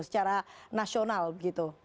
secara nasional begitu